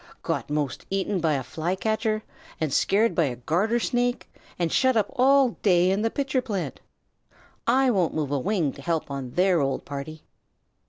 "Got most eaten by a Flycatcher and scared by a Garter Snake and shut up all day in the pitcher plant. I won't move a wing to help on their old party."